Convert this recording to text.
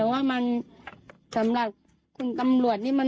เราไม่ใช่ผู้กรรมศิษย์